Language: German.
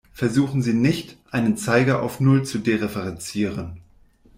Versuchen Sie nicht, einen Zeiger auf null zu dereferenzieren.